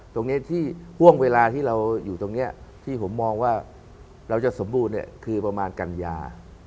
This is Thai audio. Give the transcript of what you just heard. ตรงนี้ที่ห่วงเวลาที่เราอยู่ตรงนี้ที่ผมมองว่าเราจะสมบูรณ์คือประมาณกันยา